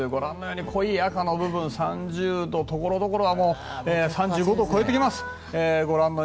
濃い赤の部分、３０度ところどころ３５度を超えてきます。